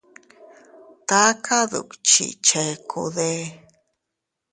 ¿Taka dukchi chekude?